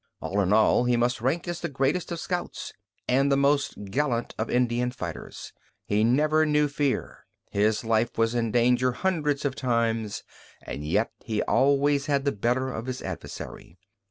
All in all, he must rank as the greatest of scouts and the most gallant of Indian fighters. He never knew fear. His life was in danger hundreds of times, and yet he always had the better of his adversary.